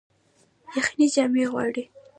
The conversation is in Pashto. یخني جامې غواړي